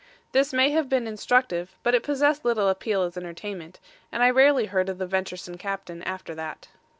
This may have been instructive, but it possessed little appeal as entertainment, and I rarely heard of the venturesome captain after that.